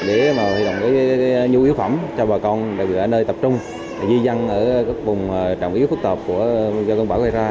để mà huy động cái nhu yếu phẩm cho bà con đặc biệt là nơi tập trung di dăng ở các vùng trọng yếu phức tạp do cơn bão gây ra